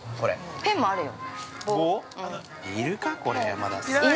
◆ペンもあるよ。